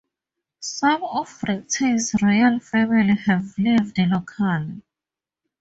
Some of Britain's royal family have lived locally.